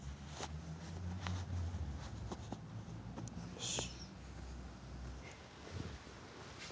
よし。